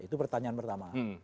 itu pertanyaan pertama